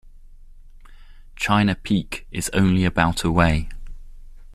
China Peak is only about away.